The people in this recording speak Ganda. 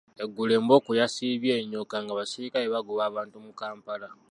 Eggulo embooko yasiibye enyooka ng’abasirikale bagoba abantu mu Kampala.